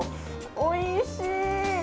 おいしい。